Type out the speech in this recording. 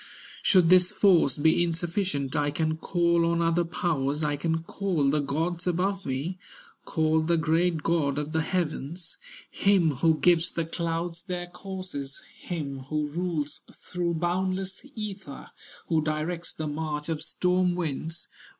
"Should this force be insufficient, I can call on other powers, I can call the gods above me, Call the great god of the heavens, Him who gives the clouds their courses, Him who rules through boundless ether, Who directs the march of storm winds.